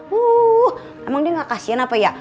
wuh emang dia nggak kasihan apa ya